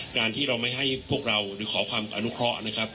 การที่เราไม่ให้พวกเราหรือขอความอนุเคราะห์นะครับ